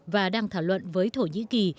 và đang thảo luận với thổ nhĩ kỳ